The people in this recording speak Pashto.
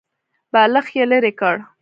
بالښت يې ليرې کړ.